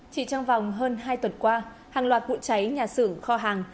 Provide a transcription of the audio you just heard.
chỉ trong vòng hơn hai tuần qua hàng loạt vụ cháy nhà xưởng kho hàng